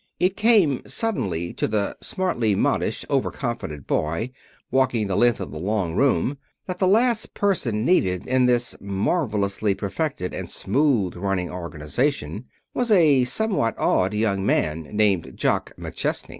It came suddenly to the smartly modish, overconfident boy walking the length of the long room that the last person needed in this marvelously perfected and smooth running organization was a somewhat awed young man named Jock McChesney.